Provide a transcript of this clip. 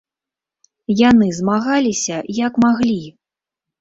Яны змагаліся як маглі!